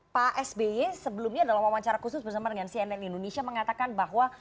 pak sby sebelumnya dalam wawancara khusus bersama dengan cnn indonesia mengatakan bahwa